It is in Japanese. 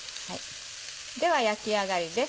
では焼き上がりです。